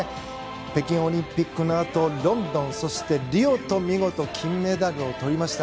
北京オリンピックのあとロンドン、そしてリオと見事、金メダルをとりました。